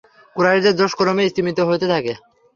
কুরাইশদের জোশ ক্রমেই স্তিমিত হতে থাকে।